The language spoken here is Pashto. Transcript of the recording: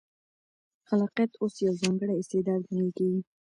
خلاقیت اوس یو ځانګړی استعداد ګڼل کېږي.